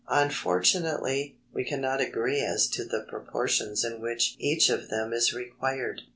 Unfortunately, we cannot agree as to the proportions in which each of them is required.